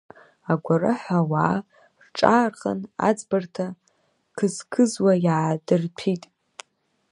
Агәараҳәа ауаа рҿаархан, аӡбарҭа қызқызуа иаадырҭәит.